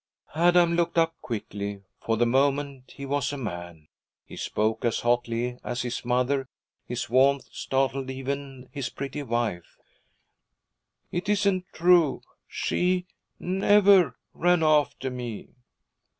Adam looked up quickly. For the moment he was a man. He spoke as hotly as his mother; his warmth startled even his pretty wife. 'It isn't true; she never ran after me.'